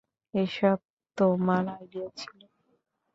এসব তোমার আইডিয়া ছিল!